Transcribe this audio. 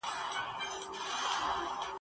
په فریاد یې وو پر ځان کفن څیرلی !.